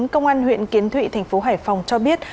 công an huyện kiến thụy thành phố hải phòng cho biết